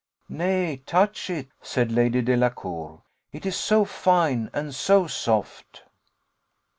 "Nay, touch it," said Lady Delacour "it is so fine and so soft."